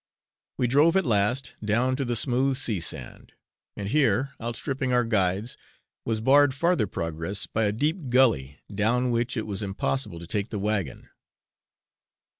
We drove at last down to the smooth sea sand; and here, outstripping our guides, was barred farther progress by a deep gully, down which it was impossible to take the wagon.